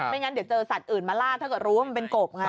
ไม่งั้นเดี๋ยวเจอสัตว์อื่นมาล่าเท่าก็รู้มันเป็นโกบไง